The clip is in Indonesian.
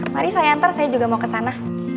mari saya antar saya juga mau kesana